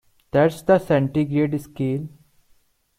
That's the centigrade scale.